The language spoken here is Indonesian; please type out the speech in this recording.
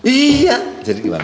iya jadi gimana